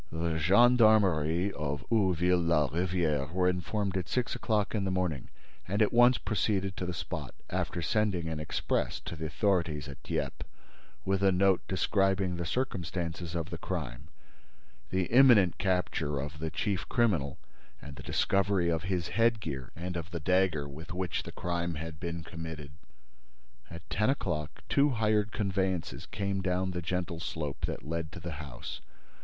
The gendarmerie of Ouville la Rivière were informed at six o'clock in the morning and at once proceeded to the spot, after sending an express to the authorities at Dieppe with a note describing the circumstances of the crime, the imminent capture of the chief criminal and "the discovery of his headgear and of the dagger with which the crime had been committed." At ten o'clock, two hired conveyances came down the gentle slope that led to the house.